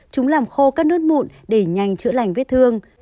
chúng làm khô các nốt mụn để nhanh chữa lành vết thương